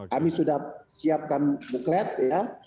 kami sudah siapkan buklet ya